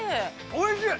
◆おいしい。